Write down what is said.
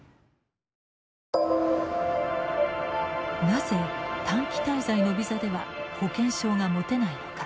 なぜ短期滞在のビザでは保険証が持てないのか。